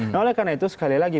nah oleh karena itu sekali lagi